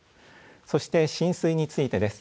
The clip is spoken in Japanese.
そして浸水についてです。